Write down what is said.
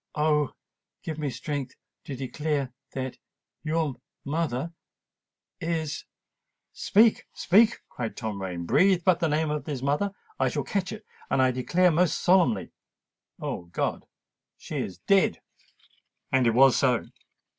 ——oh! give me strength to declare that——your mother——is——" "Speak, speak!" cried Tom Rain: "breathe but the name of his mother—I shall catch it—and I declare most solemnly——O God! she is dead!" And it was so!